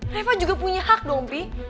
reva juga punya hak dong pi